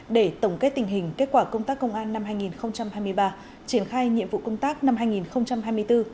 để tổng kết tình hình kết quả công tác công an năm hai nghìn hai mươi ba triển khai nhiệm vụ công tác năm hai nghìn hai mươi bốn